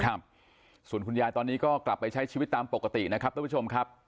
ครับส่วนคุณยายตอนนี้ก็กลับไปใช้ชีวิตตามปกตินะครับท่านผู้ชมครับ